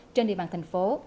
trên địa bàn thành phố